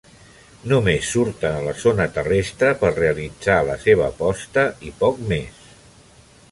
Només surten a la zona terrestre per realitzar la seva posta i poc més.